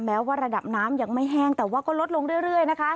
แม้ว่าระดับน้ำยังไม่แห้งแต่ว่าก็ลดลงเรื่อยนะคะ